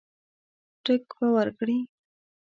ټګ به ورکړي.